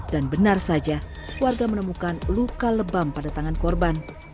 dan benar saja warga menemukan luka lebam pada tangan korban